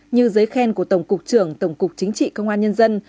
như giấy khen của tổng cục trưởng tổng cục chính trị công an nhân dân